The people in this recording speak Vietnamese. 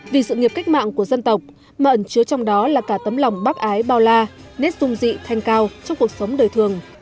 vì sự nghiệp cách mạng của dân tộc mà ẩn chứa trong đó là cả tấm lòng bác ái bao la nét dung dị thanh cao trong cuộc sống đời thường